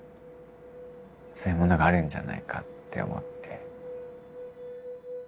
そういうものがあるんじゃないかって思って。